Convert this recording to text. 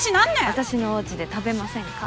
私のおうちで食べませんか？